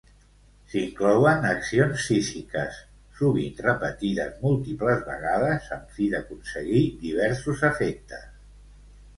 S'inclouen accions físiques, sovint repetides múltiples vegades amb fi d'aconseguir diversos efectes.